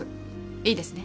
いいですね。